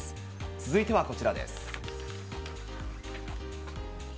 続いてはこちらです。